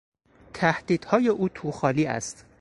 تهدیدهای او توخالی است.